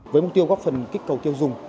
với mục tiêu góp phần kích cầu tiêu dùng